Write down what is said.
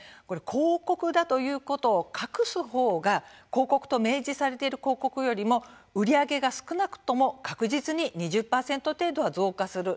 広告だということを隠す方が広告と明示されている広告よりも売り上げが少なくとも確実に２０％程度は増加する